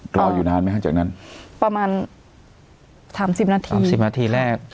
รออยู่นานไหมฮะจากนั้นประมาณสามสิบนาทีสามสิบนาทีแรก